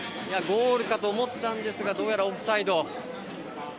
ゴールかと思ったんですがどうやらオフサイド。